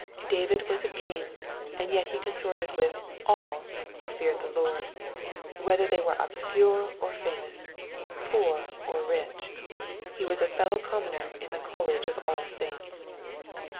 David was a king, and yet he consorted with " oM " who feared the Lord, whether they were obscure or famous, poor or rich. He was a fellow oommoner of the College of All saints.